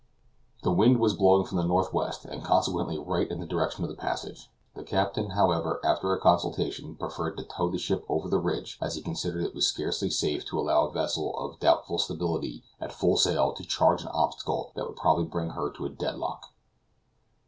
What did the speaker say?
The wind was blowing from the northwest, and consequently right in the direction of the passage. The captain, however, after a consultation, preferred to tow the ship over the ridge, as he considered it was scarcely safe to allow a vessel of doubtful stability at full sail to charge an obstacle that would probably bring her to a dead lock.